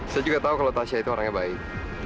saya juga tahu kalau tasya itu orangnya baik